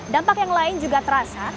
dampak yang lain juga terasa